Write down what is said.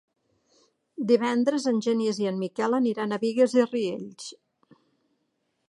Divendres en Genís i en Miquel aniran a Bigues i Riells.